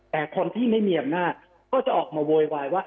แต่คนที่ไม่มีอำนาจก็จะออกมาโวยวายว่า